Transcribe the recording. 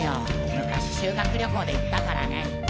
昔修学旅行で行ったからね」